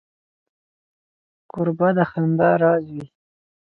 کوربه د خندا راز وي.